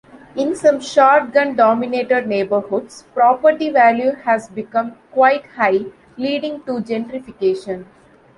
In some shotgun-dominated neighborhoods, property value has become quite high, leading to gentrification.